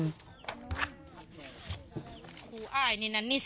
มันร้อน